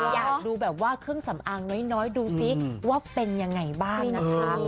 อยากดูแบบว่าเครื่องสำอางน้อยดูซิว่าเป็นยังไงบ้างนะคะ